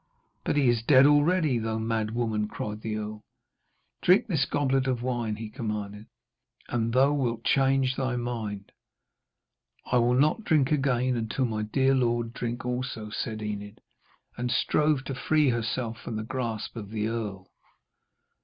'But he is dead already, thou mad woman,' cried the earl. 'Drink this goblet of wine,' he commanded, 'and thou wilt change thy mind.' 'I will not drink again until my dear lord drink also,' said Enid, and strove to free herself from the grasp of the earl.